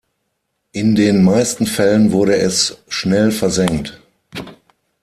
In den meisten Fällen wurde es schnell versenkt.